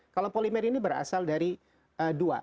kalau polimer ini berasal dari dua